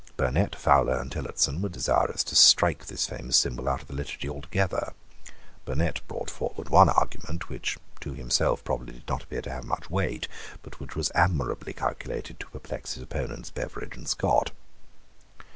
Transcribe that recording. Burnet, Fowler, and Tillotson were desirous to strike this famous symbol out of the liturgy altogether. Burnet brought forward one argument, which to himself probably did not appear to have much weight, but which was admirably calculated to perplex his opponents, Beveridge and Scott.